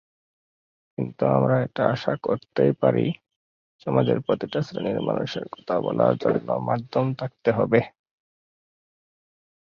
কিন্তু আমরা এটা আশা করতেই পারি, সমাজের প্রতিটা শ্রেণির মানুষের কথা বলার জন্য মাধ্যম থাকতে হবে।